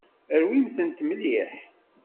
Rwimt-tent mliḥ.